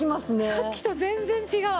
さっきと全然違う！